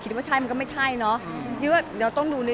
กินงบน้ำไปไหนเราได้